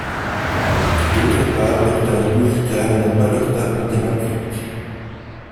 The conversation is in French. D'autre part, l'octave musicale, n'est pas l'octave mathématique.